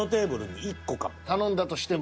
頼んだとしても。